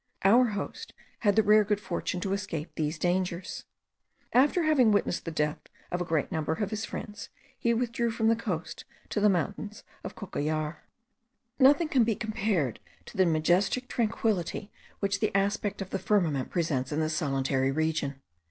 Our host had the rare good fortune to escape these dangers. After having witnessed the death of a great number of his friends, he withdrew from the coast to the mountains of Cocollar. Nothing can be compared to the majestic tranquillity which the aspect of the firmament presents in this solitary region.